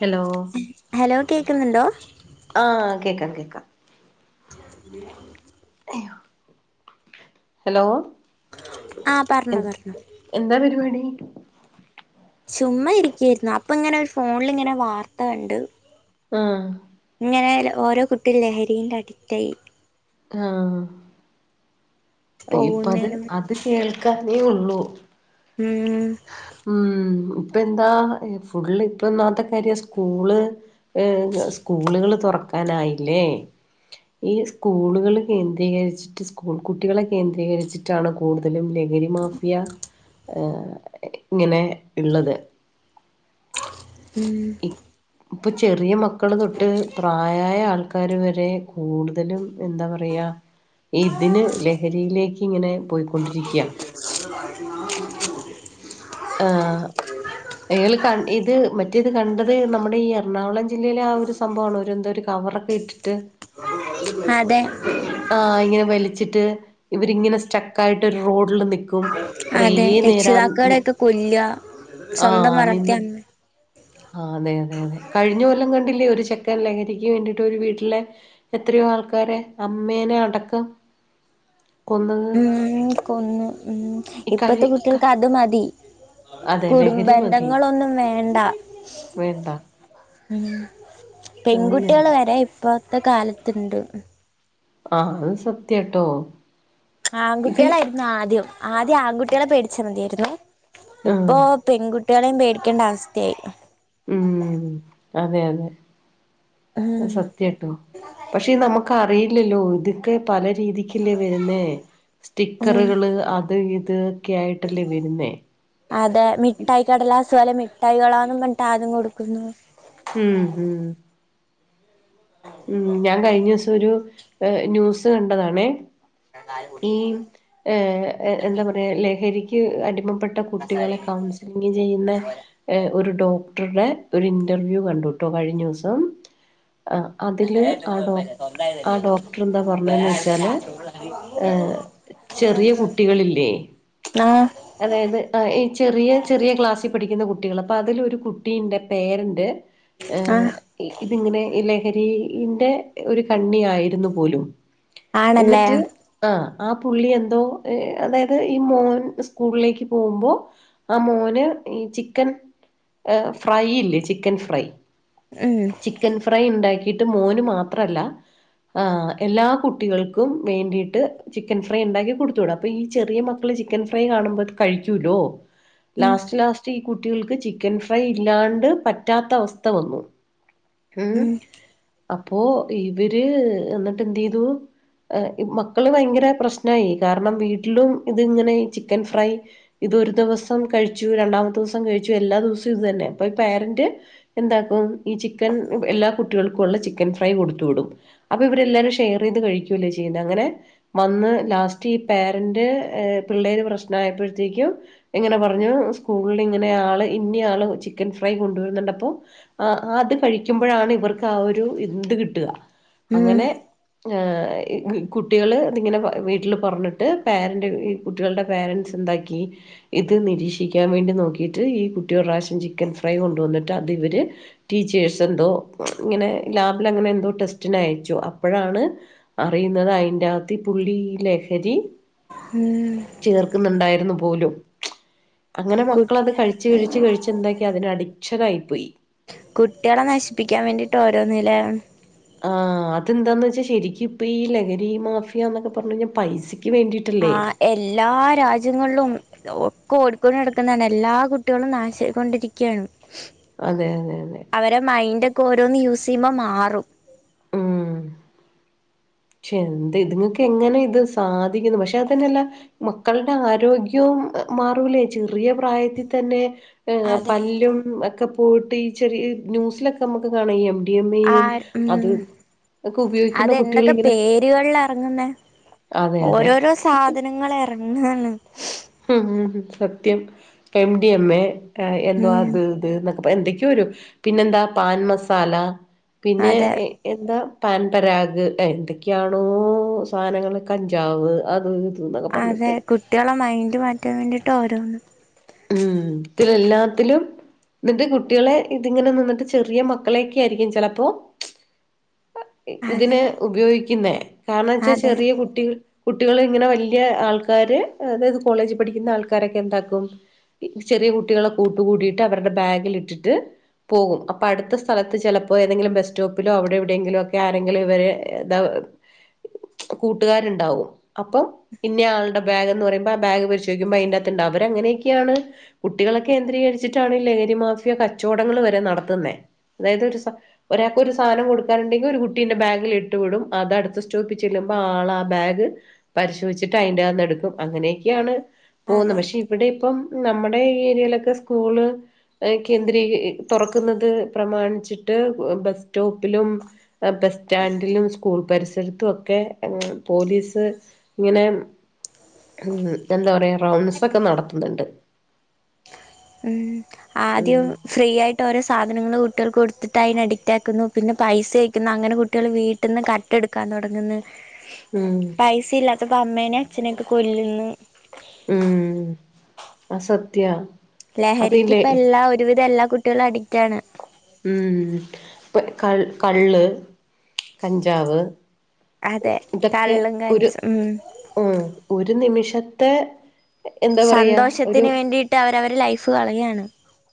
Hello hello കേക്കുന്നുണ്ടോ? ആഹ് കേക്കാ കേക്കാം. [inaudible] ഹലോ ആഹ് എ പറഞ്ഞോ പറഞ്ഞോ എന്താ പരിപാടി ചുമ്മാ ഇരിക്കായിരുന്നു അപ്പൊ ഇങ്ങനെ ഒരു ഫോണിലിങ്ങനെ വാർത്ത കണ്ട്. മ്മ്ഹ ഇങ്ങനെ ഓരോ കുട്ടിയും ലഹരിന്റെ അഡിറ്റായി. ആഹ ഇപ്പ അത് പോകുന്നതിനും അത് കേൾക്കാനേ ഉള്ളൂ ഉം ഉം ഇപ്പ എന്താ ഫുള്ള് ഇപ്പന്നാത്തെ കാര്യ സ്കൂള് സ്കൂളുകൾ തുറക്കാനായില്ലേ. ഈ സ്കൂളുകൾ കേന്ദ്രീകരിച്ചിട്ട് സ്കൂൾ കുട് കുട്ടികളെ കേന്ദ്രീകരിച്ചിട്ടാണ് കൂടുതലും ലഹരി മാഫിയ എഹ ഇങ്ങനെ ഇള്ളത് ഉം ഇപ്പ ചെറിയ മക്കള് തൊട്ട് പ്രാ പ്രായായ ആൾക്കാര് വരെ കൂടുതലും എന്താ പറയ ഇതിന് ലഹരിയിലേക്ക് ഇങ്ങനെ പോയ്ക്കൊണ്ടിരിക്ക്യ [unintelligible] ആഹ [unintelligible] ഇത് മറ്റേത് കണ്ടത് നമ്മുടെ ഈ എറണാകുളം ജില്ലയിലെ ആ ഒരു സംഭവണോ എന്തൊരു കവറൊക്കെ ഇട്ടിട്ട് അതെ ആഹ ഇങ്ങനെ വലിച്ചിട്ട് ഇവരിങ്ങിനെ സ്റ്റ ക്കായിട്ട് ഒരു റോഡില് നിക്കും കുറേ അതെ നേരം നി രക്ഷിതാക്കളെയൊക്കെ കൊല്ലുക സ്വന്തം ആഹ വളർത്തിയ നിന്ന് അമ്മ ആ അതെ അതെ കഴിഞ്ഞ കൊല്ലം കണ്ടില്ലേ ഒരു ചെക്കൻ ലഹരിക്ക് വേണ്ടിട്ട് ഒരു വീട്ടിലെ എത്രയോ ആൾക്കാരെ അമ്മേനെ അടക്കം കൊന്നത് ഉം കൊന്ന് ഉം ഈ ഇപ്പത്തെ കഴി ക- കുട്ടിയാൾക്ക് അത് മതി അതെ കുടു ലഹരി മതി ബന്ധങ്ങളൊന്നും വേണ്ട വേണ്ട ഉം അത് വേണ്ട പെൺകുട്ടികൾ വരെ ഇപ്പത്തെ കാലത്തുണ്ട് ആഹ് അത് സത്യട്ടോ ആൺകുട്ടികളായിരുന്നു ആദ്യം ആദ്യം ആൺകുട്ടികളെ പേടിച്ചാ മതിയായിരുന്നു ആ ഇപ്പോ പെൺകുട്ടിയാളെയും പേടിക്കേണ്ട അവസ്ഥയായി ഉം അതെ അതെ അത് ഉം സത്യട്ടോ പക്ഷേ നമുക്ക് അറിയില്ലല്ലോ ഇത് ഒക്കെ പല രീതിക്കല്ലേ വരുന്നേ ഉം സ്റ്റിക്കറുകള് അത് ഇത് ഒക്കെ ആയിട്ടല്ലേ വരുന്നേ അതെ മിഠായി കടലാസ് പോലെ മിഠായികളാന്നും പറഞ്ഞിട്ട് ആദ്യം കൊടുക്കുന്നു മ്മ്ഹ മ്മ്ഹ ഉം ഞാൻ കഴിഞ്ഞെസം ഒരു ന്യൂസ് കണ്ടതാണേ ഈ ഏഹ് എന്താ പറയാ ലഹരിക്ക് അടിമപ്പെട്ട കുട്ടികളെ കൗൺസിലിംങ് ചെയ്യുന്നെ എ ഒരു ഡോക്ടറുടെ ഒരു ഇൻറർവ്യൂ കണ്ടുട്ടോ കഴിഞ്ഞോസം അ അതില് ആ ഡോ ആ ഡോക്ടർ ന്താ പറഞ്ഞനെന്ന് വെച്ചാല് എ ചെറ്യ കുട്ടികളില്ലേ ആഹ് അതായത് അ ഈ ചെറിയ ചെറിയ ക്ലാസ്സിൽ പഠിക്കുന്ന കുട്ടികൾ അപ്പ അതിലൊരു കുട്ടിന്റെ പേരന്റ് ഏ ആഹ് ഇതിങ്ങനെ ലഹരിന്റെ ഒരു കണ്ണിയായിരുന്നു പോലും ആണല്ലേ ഇന്നട്ട് ആ ആ പുള്ളി എന്തോ അതായത് ഈ മോൻ സ്കൂളിലേക്ക് പോകുമ്പോ ആ മോന് ഈ ചിക്കൻ ഫ്രൈ ഇല്ലേ ചിക്കൻ ഫ്രൈ ഹേ ചിക്കൻ ഫ്രൈ ഇണ്ടാക്കിട്ട് മോന് മാത്രല്ല ആ എല്ലാ കുട്ടികൾക്കും വേണ്ടിട്ട് ചിക്കൻ ഫ്രൈ ഇണ്ടാക്കി കൊടുത്ത് വിടും അപ്പോ ഈ ചെറിയ മക്കള് ചിക്കൻ ഫ്രൈ കാണുമ്പോ ഇത് കഴിക്കൂലോ ഉം ലാസ്റ്റ് ലാസ്റ്റ് ഈ കുട്ടികൾക്ക് ചിക്കൻ ഫ്രൈ ഇല്ലാണ്ട് പറ്റാത്ത അവസ്ഥ വന്നു ഉം അപ്പോ ഇവര് ഇന്നട്ട് എന്തേയ്തു എ മക്കള് ഭയങ്കര പ്രശ്നായി കാരണം വീട്ടിലും ഇത് ഇങ്ങനെ ചിക്കൻ ഫ്രൈ ഇത് ഒരു ദിവസം കഴിച്ചു രണ്ടാമത്തെ ദിവസം കഴിച്ചു എല്ലാ ദിവസവും ഇത് തന്നെ അപ്പോ ഈ പേരന്റ് എന്താക്കും ഈ ചിക്കൻ എല്ലാ കുട്ടികൾക്കും ഉള്ള ചിക്കൻ ഫ്രൈ കൊടുത്തു വിടും അപ്പൊ ഇവരെല്ലാരും ഷെയർ ചെയ്ത് കഴിക്കൂല്ലേ ചെയ്യുന്നേ അങ്ങനെ വന്ന് ലാസ്റ്റ് ഈ പേരൻറ് പിള്ളേര് പ്രശ്നയപ്പോഴത്തേക്കും ഇങ്ങനെ പറഞ്ഞു സ്കൂളിൽ ഇങ്ങനെ ആള് ഇന്നി ആള് ചിക്കൻ ഫ്രൈ കൊണ്ടു വരുന്നു കണ്ടപ്പോ ആ അത് കഴിക്കുമ്പോഴാണ് ഇവർക്ക് ആ ഒരു ഇന്ത് കിട്ടാ ഉം അങ്ങനെ കുട്ടികള് ഇതിങ്ങനെ വീട്ടില് പറഞ്ഞിട്ട് പാരൻ്റെ കുട്ടികളുടെ പാരൻ്റെസ് എന്താക്കി ഇത് നിരീക്ഷിക്കാൻ വേണ്ടി നോക്കിയിട്ട് ഈ കുട്ടി ഒരു പ്രാവശ്യം ചി ചിക്കൻ ഫ്രൈ കൊണ്ട് വന്നിട്ട് അത് ഇവർ ടീച്ചേഴ്സ എന്തോ ഇങ്ങനെ ലാബിൽ അങ്ങനെ എന്തോ ടെസ്റ്റന് അയച്ചു അപ്പോഴാണ് അറിയുന്നത് അതിൻ്റെ അകത്ത് പുള്ളി ലഹരി ഉം ചേർക്കുന്നുണ്ടായിരുന്നു പോലും അങ്ങനെ കു മക്കളത് കഴിച്ച് കഴിച്ച് കഴിച്ച് എന്താക്കി അതിന് അഡിക്ഷനായി പോയി കുട്ട്യളെ നശിപ്പിക്കാൻ വേണ്ടിട്ട് ഓരോന്നല്ലേ ആ അത് എന്താന്ന് വെച്ചാ ശെരിക്കും ഇപ്പ ഈ ലഹരി മാഫിയന്നൊക്കെ പറഞ്ഞു കഴിഞ്ഞാൽ പൈസക്ക് വേണ്ടിട്ട് ആഹ് എല്ലാ രാജ്യങ്ങളിലും ഒക്കെ ഓടിക്കോണ്ട് നടക്കുന്നതാണ് എല്ലാ കുട്ടികളും നാശായി കൊണ്ടിരിക്കാണ് അതെ അതെ അതെ അവരെ മൈൻഡ് ഒക്കെ ഓരോന്ന് യൂസ്യ്യുമ്പോ മാറും ക്ഷെ എന്ത് ഇതുങ്ങൾക്ക് എങ്ങനെ ഇത് സാധിക്കുന്നു പക്ഷെ അത് തന്നെല്ല മക്കളുടെ ആരോഗ്യവും മാറൂലേ ചെറിയ പ്രായത്തിൽ തന്നെ അതെ പല്ലും ഒക്കെ പോയിട്ട് ഈ ചെറിയ ന്യൂസിലൊക്കെ നമുക്ക് കാണും എംടിഎം ഏ ആ യും അത് ഒക്കെ ഉപയോഗിക്കുന്ന കുട്ടി എന്തൊക്കെ പേരുകളില അറങ്ങുന്നെ അതെ അതെ ഓരോരോ സാധനങ്ങൾ ഇറങ്ങാണ് ഉം സത്യം എം ഡി എം എ എന്തുവാ ഉം അത് എന്തൊക്കെയാ ഒരുരപിന്നെന്താ പാൻ മസാല പിന്നെ അതെ എന്താ പാൻ പരാഗ് എന്തൊക്കെയാണോ സാധനങ്ങൾ കഞ്ചാവ് അത് എന്നൊക്കെ അതെ പറഞ്ഞിട്ട് കുട്ടികളെ മൈൻഡ് മാറ്റാൻ വേണ്ടീട്ട് ഓരോന്ന് ഉം ഇതിൽ എല്ലാത്തിലും എന്നിട്ട് കുട്ടികളെ ഇതിങ്ങനെ നിന്നിട്ട് ചെറിയ മക്കളെയൊക്കെ ആയിരിക്കും ചിലപ്പോ അതെ ഇതിന് ഉപയോഗിക്കുന്നെ കാരണം വെച്ചാ അതെ ചെറിയ കുട്ടികൾ കുട്ടികൾ ഇങ്ങനെ വലിയ ആൾക്കാര് അതായത് കോളേജ് പഠിക്കുന്ന ആൾക്കാരൊക്കെ എന്താക്കും ചെറിയ കുട്ടികളെ കൂട്ട് കൂടിയിട്ട് അവരുടെ ബാഗിൽ ഇട്ടിട്ട് പോകും അപ്പോൾ അടുത്ത സ്ഥലത്ത് ചിലപ്പോൾ ഏതെങ്കിലും ബസ് സ്റ്റോപ്പിലോ അവിടെ എവിടെയെങ്കിലും ഒക്കെ ആരെങ്കിലും ഇവരെ കൂട്ടുകാരുണ്ടാവും അപ്പൊ ഇന്നെ ആളുടെ ബാഗ് എന്ന് പറുമ്പോ ആ ബാഗിൽ പരിശോധിക്കുമ്പോൾ അതിന്റെ അകത്ത് ഉണ്ടാവും അത് അവർ അങ്ങന കുട്ടികളെ കേന്ദ്രീകരിച്ചിട്ടാണ് ലഹരി മാഫിയ കച്ചവടങ്ങൾ വരെ നടത്തുന്നെ അതായത് ഒരു ഒരാൾക്ക് ഒരു സാധനം കൊടുക്കാനുണ്ടക്കിൽ ഒരു കുട്ടീന്റെ ബാഗിൽ ഇട്ടു വിടും അതടുത്ത സ്റ്റോപ്പിൽ ചെല്ലുമ്പോൾ ആളാആ ബാഗ് പരിശോധിച്ചിട്ട് അതിന്റെ അകത്ത് എടുക്കും അങ്ങനെയൊക്കെയാണ് പോകുന്നത് അതെ പക്ഷെ ഇവിടെ ഇപ്പം നമ്മുടെ ഈ ഏരിയയിലൊക്കെ സ്കൂള് കേൻത്രീ തുറക്കുന്നത് പ്രമാണിച്ചിട്ട് ബസ് സ്റ്റോപ്പിലും ബസ് സ്റ്റാൻഡിലും സ്കൂൾ പരിസരത്തും ഒക്കെ പോലീസ് ഇങ്ങനെ എന്താ പറയാ റൗ ൺസ് ഒക്കെ നടത്തു ന്നുണ്ട് ഉം ആദ്യം ഫ്രീ ആയിട്ട് ഓരോ സാധനങ്ങൾ കുട്ടികൾക്ക് കൊടുത്തിട്ട് അതിന് അഡിറ്റ് ആക്കുന്നു പിന്നെ പൈസക്ക്കയ്ക്കുന്നു അങ്ങനെ കുട്ടികൾ വീ വീട്ടിൽ നിന്ന് കട്ട് എടുക്കാൻ തുടങ്ങുന്നു ഉം പൈസ ഇല്ലാത്തപ്പൊ അമ്മേനെ അച്ഛനെയൊക്കെ കൊല്ലുന്നു ഉം അസത്യാ ലഹരിക്ക് ഇപ്പ എല്ലാ ഒരുവിധം എല്ലാ കുട്ടികളും അഡിക്റ്റാണ്. ഉം ഇപ്പ ക കള്ള് കഞ്ചാവ് അതെ ഇതൊക്കെ കള്ളും ഒരു കഞ്ചും ഉം ഉം ഒരു നിമിഷത്തെ എന്താ പറയാ ഒരു ട്ട് അവരവരുടെ ലൈഫ് കളയുകയാണ്.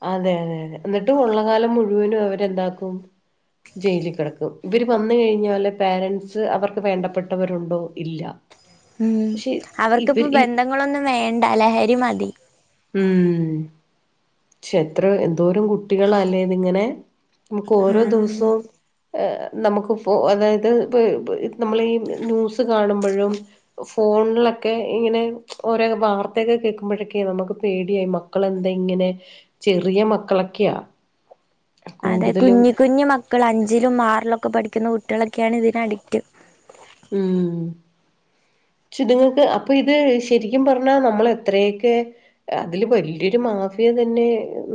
അതെ അതെ അതെ എന്നിട്ട് ഒള്ളകാലം മുഴുവനും അവരെന്താക്കും ജയിലി കിടക്കും ഇവര് വന്ന കഴിഞ്ഞാല് പോരന്റ്സ് അവർക്ക് വേണ്ടപ്പെട്ടവരുണ്ടോ ഇല്ല ഉം പക്ഷെ അവർക്കിപ്പോ ഇവര് ഈ ബന്ധങ്ങളൊന്നും വേണ്ട ലഹരി മതി ഉം ശേ എത്രഎന്തോരം കുട്ടികള അല്ലേ ഇന്ന് ഇങ്ങനെ നമുക്ക് ഓരോ ആഹ് ദിവസവും നമുക്ക് ഇപ്പോ അതായത് ഇപ്പ ഇപ്പ നമ്മള് ഈ ന്യൂസ് കാണുമ്പോഴും ഫോണിലൊക്കെ ഇങ്ങനെ ഓരോ വാർത്തയൊക്കെ കേൾക്കുമ്പോഴൊക്കെ നമുക്ക് പേടിയായി മക്കൾലെന്താ ഇങ്ങനെ ചെറിയ മക്കളൊക്കെയാ അതെ കൂടുതലും കുഞ്ഞു കുഞ്ഞു മക്കൾ അഞ്ചിലും ആറിലുമൊക്കെ പഠിക്കുന്ന കുട്ടികളൊക്കെയാണ് ഇതിന് അഡിക്റ്റ് ഉം ചിതുങ്ങൾക്ക് അപ്പൊ ഇത് ശരിക്കും പറഞ്ഞാ നമ്മള് എത്രയെക്കെ അതില് വലിയൊരു മാഫിയ തന്നെ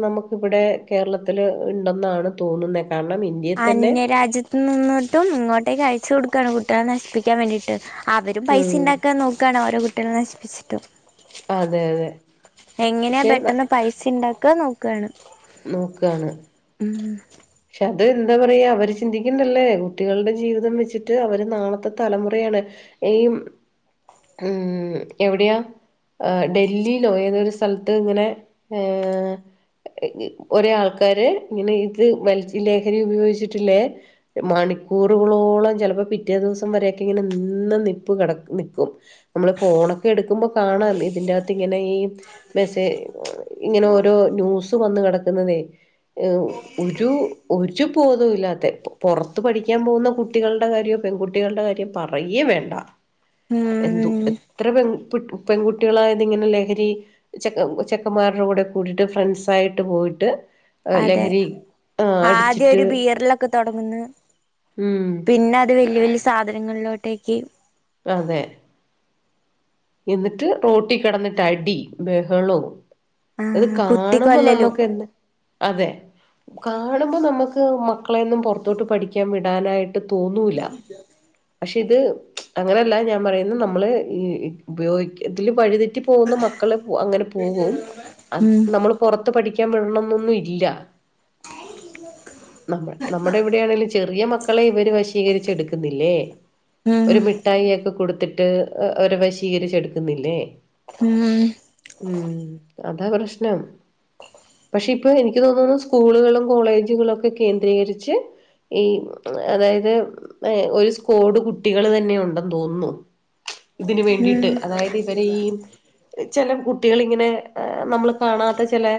നമുക്കിവിടെ കേരളത്തിൽ ഇണ്ടന്നാണ് തോന്നുന്നേ കാരണം ഇൻ അന്യ രാജ്യത്ത് നിന്നിട്ടും ഇങ്ങോട്ടേക്ക് അയച്ച് കൊടുക്കുകയാണ് കുട്ടികളെ നശിപ്പിക്കാൻ വേണ്ടിട്ട്. അവരും പൈസ ഉം ഉണ്ടാക്കാൻ നോക്കാണ് ഓരോ കുട്ടികളെ നശിപ്പിച്ചിട്ടും അതെ അതെ എങ്ങനെയാ പക്ഷെ പെട്ടെന്ന് പൈസ ഇണ്ടാക്ക നോക്കയാണ് നോക്കാണ് ഉം പക്ഷെ അത് എന്താ പറയാ അവര് ചിന്തിക്കൻണ്ടല്ലേ കുട്ടികളുടെ ജീവിതം വെച്ചിട്ട് അവര് നാളത്തെ തലമുറയാണ് എ ഉം എവിടെയാ? ആ ഡൽലിലോ ഏതൊരു സ്ഥലത്ത് ഇങ്ങനെ ഏ ഒരേ ആൾക്കാര് ഇങ്ങനെ ഇത് വലിച്ച് ലഹരി ഉപയോഗിച്ചിട്ടില്ലേ മണിക്കൂറുകളോളം ചിലപ്പോ പിറ്റേ ദിവസം വരെയൊക്കെ ഇങ്ങനെ നിന്ന നിപ്പ് കെടക്കും നിക്കും നമ്മള് ഫോണൊക്കെ എടുക്കുമ്പോ കാണാം ഇതിന്റെകത്ത് ഇങ്ങനെ ഈ മെസ്സ ഇങ്ങനെ ഓരോ ന്യൂസ് വന്ന് കിടക്കുന്നതേ ഉം ഒരു ഒരു ബോധവും ഇല്ലാത്തെ പുറത്ത് പഠിക്കാൻ പോകുന്ന കുട്ടികളുടെ കാര്യോ പെൺകുട്ടികളുടെ കാര്യോ പറയേ വേണ്ട എന്തു ഉം എത്ര പെൺ പെൺകുട്ടികളാ ഇന്നിങ്ങനെ ലഹരി ചെക്ക ചെക്കന്മാരുടെ കൂടെ കൂടിട്ട് ഫ്രണ്ട്സ് ആയിട്ട് പോയിട്ട് അതെ ലഹരി ആഹ് ആദ്യം അടിച്ചിട്ട് ഒരു ബീയറിൽലൊക്കെ തുടങ്ങന്ന് പിന്നെ ഉം പിന്നെ അത് വല്യവല്യ സാധനങ്ങളിലോട്ടേക്ക് അതെ എന്നിട്ട് റോട്ടി കിടന്നിട്ട് അടി ബഹളവും അത് ആഹ് കാണുമ്പോ കുത്തിക്കൊല്ലലും നമ്മുക്ക് എന്തേ അതെ കാണുമ്പോൾ നമുക്ക് മക്കളെന്നും പുറത്തോട്ട് പഠിക്കാൻ വിടാനായിട്ട് തോന്നില്ല പക്ഷെ ഇത് അങ്ങനെയല്ല ഞാൻ പറയുന്നത് നമ്മള് ഇ ഉപയോഗിക്ക ഇതില് വഴിതെറ്റി പോകുന്ന മക്കള് പോ അങ്ങനെ പോകു അത് ഉം നമ്മള് പുറത്ത് പഠിക്കാൻ വിടാണോന്നൊന്നും ഇല്ല. നമ്മ നമ്മുടെ ഇവിടെയാണെങ്കിലും ചെറിയ മക്കളെ ഇവര് വശീകരിചെടുക്കുന്നില്ലേ ഉം ഒരു മിഠായിയോക്കെ കൊടുത്തിട്ട് അവരെ വശീകരിച്ചെടുക്കുന്നില്ലേ ഉം ഉം അതാ പ്രശ്നം പക്ഷെ ഇപ്പൊ എനിക്ക് തോന്നുന്നു സ്കൂളുകളും കോളേജുകളുംമോക്കെ കേന്ദ്രീകരിച്ച് ഈ അതായത് ഒരു സ്കോഡ് കുട്ടികള് തന്നെ ഉണ്ടെന്ന് തോന്നുന്നു ഇതിന് വേണ്ടീട്ട് ഉം അതായത് ഇവനെ ഈ ചെല കുട്ടികളി ഇങ്ങനെ നമ്മള് കാണാത്ത ചെലെ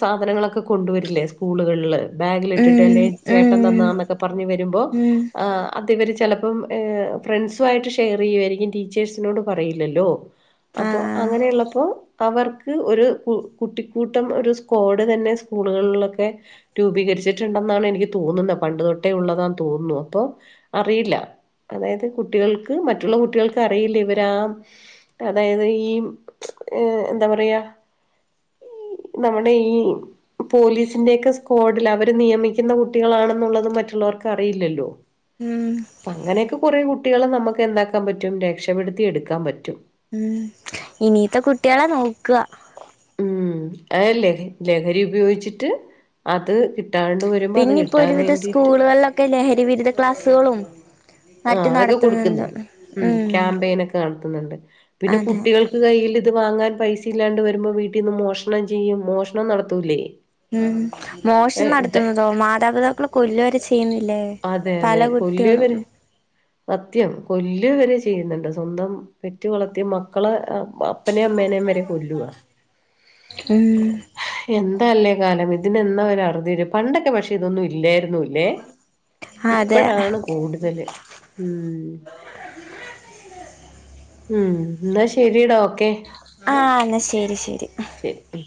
സാധനങ്ങളൊക്കെ കൊണ്ടുവരില്ലേ സ്കൂളുകളിൽ ബാഗിലിട്ടിട്ട് ഉം അല്ലെങ്കിൽ ചേട്ടൻ ഉം തന്നാന്നൊക്കെ പറഞ്ഞ് വരുമ്പോ ഉം അതിവര് ചെലപ്പം ഫ്രണ്ട്സു ആയിട്ട് ഷെയർ ചെയ്യുവായിരിക്കും ടീച്ചേഴ്സിനോടും പറയില്ലല്ലോ അപ്പോ ആഹ് അങ്ങനെയുള്ളപ്പോ അവർക്ക് ഒരു കുട്ടിക്കൂട്ടം ഒരു സ്ക്വാഡ് തന്നെ സ്കൂളുകളിലൊക്കെ രൂപീകരിച്ചിട്ടുണ്ടെന്നാണ് എനിക്ക് തോന്നുന്ന പണ്ട് തൊട്ടേ ഉള്ളതാന്ന് തോന്നുന്നു അപ്പൊ അറിയില്ല അതായത് കുട്ടികൾക്ക് മറ്റുള്ള കുട്ടികൾക്ക് അറിയില്ല ഇവ രാം അതായത് ഈ ഏഹ് എന്താ പറയാ ഈ നമ്മുടെ ഈ പോലീസിന്റെയൊക്കെ സ്ക്വാഡില് അവര് നിയമിക്കുന്ന കുട്ടികളാണെന്നുള്ളതും മറ്റുള്ളവർക്ക് അറിയില്ലല്ലോ ഉം അപ്പ അങ്ങനെയൊക്കെ കുറേ കുട്ടികളെ നമുക്ക് എന്താക്കാൻ പറ്റും രക്ഷപ്പെെടുത്തി എടുക്കാൻ പറ്റും ഉം ഇനീത്തെ കുട്ടിയാളെ നോക്ക ഉം അ ലഹ ലഹരി ഉപയോഗിച്ചിട്ട് അത് കി ട്ടാണ്ട് വരുമ്പോ അത് കിട്ടാൻ വേണ്ടീട്ട് ക്കെ ലഹരിവിരുദ്ധ ക്ലാസ്സ്കളും ആഹ് അതൊക്കെ കൊടുക്ക്ന്ന്ണ്ട് ഉം ക്യാമ്പയിനൊക്കെ നടത്തുന്ന്ണ്ട് പിന്നെ അതെ കുട്ടികൾ ക്ക് ഇത് കയ്യിൽ ഇത് വാങ്ങാൻ പൈസ ഇല്ലാണ്ട് വരുമ്പോ വീട്ടീന്ന് മോഷണം ചെയ്യും മോഷണം നടത്തൂലേ ഉം മോശം ഏഹ് ഇത് നടത്തുന്നതോ മാതാപിതാക്കളെ കൊല്ലു വരെ ചെയ്യുന്നില്ലേ അതെ പല അതെ കൊല്ല കുട്ടികളും ഇവര് സത്യം കൊല്ല് വരെ ചെയ്യുന്നുണ്ട് സ്വന്തം പെറ്റ് വളർത്തിയ മക്കള് അ പ്പനേം അമ്മേനേം വെരെ കൊലൂ ആ ഉം എന്താല്ലേ കാലം ഇതിനെന്നാ ഒര് അറുതി വരും പണ്ടൊക്കെ പക്ഷെ ഇതൊന്നും ഇല്ലായിരുന്നുല്ലേ അതെ ഇപ്പഴാണ് കൂട്തല് ഉം ഉം ഇന്നാ ശെരിടാ ഓക്കെ ആഹ് എന്നാ ശരി ശരി ശെരി ഉം